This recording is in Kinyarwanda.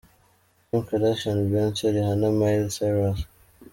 Kim Kardashian, Beyonce, Rihanna, Miley Cyrus,.